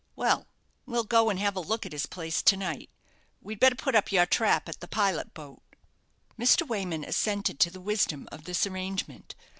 "Well, we'll go and have a look at his place to night. We'd better put up your trap at the 'Pilot Boat.'" Mr. Wayman assented to the wisdom of this arrangement.